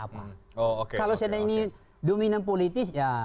kalau saya tanya ini dominan politis